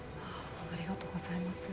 ありがとうございます。